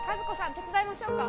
手伝いましょうか？